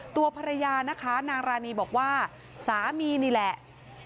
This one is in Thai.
ตัวภรรยานะคะนางรานีบอกว่าสามีนี่แหละ